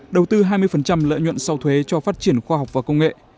đầu tư hai mươi lợi nhuận sau thuế cho phát triển khoa học và công nghệ